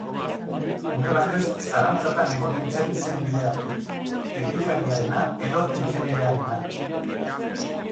Une batez zalantzatan egon nintzen zein bide hartu: tenikariarena edo ingeniariarena.